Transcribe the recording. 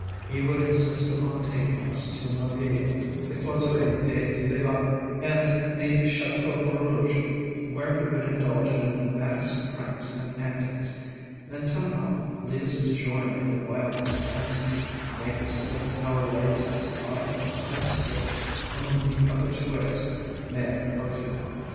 ŌĆ£He would insist upon taking us to Mabille, the Closerie des Lilas, and the Ch├óteaurouge, where he would indulge in the maddest pranks and antics, and somehow lead us to join in the wildest dances, and make us lift our legs as high as the highest lifter among the habitu├®s, male or female.